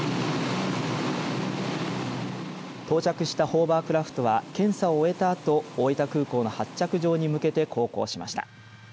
到着したホーバークラフトは検査を終えたあと大分空港の発着場に向けて航行しました。